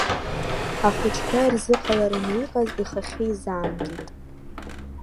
Ахәыҷқәа ирзыҟалараны иҟаз ихахьы изаамгеит.